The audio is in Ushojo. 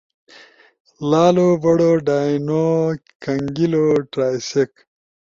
لالو بڑو ڈائنو [کھنگیلو] ٹرائسیک۔